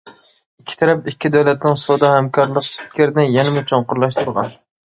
ئىككى تەرەپ ئىككى دۆلەتنىڭ سودا ھەمكارلىق پىكرىنى يەنىمۇ چوڭقۇرلاشتۇرغان.